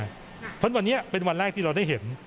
เพราะฉะนั้นวันนี้เป็นวันแรกที่เราได้เห็น